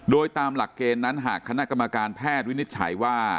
โดยตามหลักเกณฑ์นั้นหากคณะกรรมการแพทย์วินิจฉัยว่า